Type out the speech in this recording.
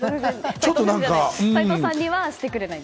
斉藤さんにはしてくれない？